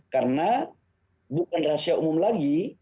karena bukan rahasia umum lagi